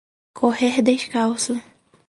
Correr descalço